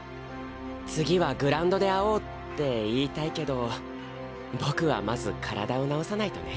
「次はグラウンドで会おう！」って言いたいけど僕はまず体を治さないとね。